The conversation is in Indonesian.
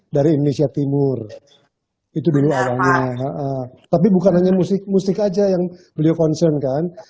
dari indonesia timur itu dulu awalnya tapi bukan hanya musik musik aja yang beliau concern kan